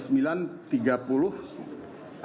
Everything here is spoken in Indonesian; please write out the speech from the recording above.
kemudian tanggal satu ya